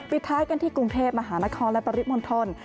ปิดท้ายกันที่กรุงเทพฯมหานครและปริศมนตร